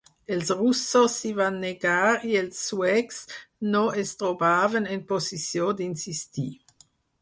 Els russos s'hi van negar i els suecs no es trobaven en posició d'insistir.